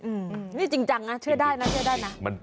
อืมนี่จริงจังนะเชื่อได้นะเชื่อได้นะ